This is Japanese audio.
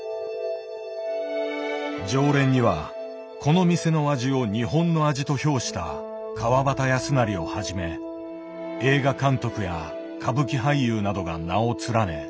常連にはこの店の味を「日本の味」と評した川端康成をはじめ映画監督や歌舞伎俳優などが名を連ね。